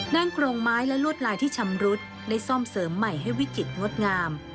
กรงไม้และลวดลายที่ชำรุดได้ซ่อมเสริมใหม่ให้วิจิตรงดงาม